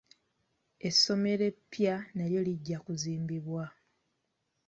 Essomero eppya nalyo lijja kuzimbibwa.